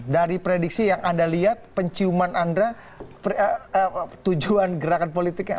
dari prediksi yang anda lihat penciuman anda tujuan gerakan politiknya